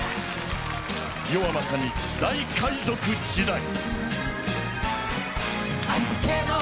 世はまさに大海賊時代。